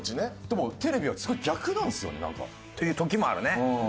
でもテレビはそこ逆なんですよねなんか。っていう時もあるね。